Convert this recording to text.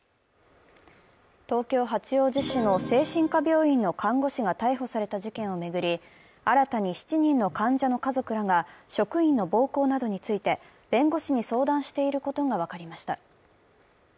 東京・八王子市の精神科病院の看護師が逮捕された事件を巡り、新たに７人の患者の家族らが職員の暴行などについて弁護士に相談していることが分かりました。